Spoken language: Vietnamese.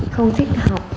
không thích học